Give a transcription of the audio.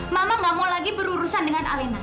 mama tidak mau lagi berurusan dengan alina